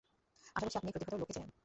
আশা করছি আপনি এই প্রতিভাধর লোককে চেনেন।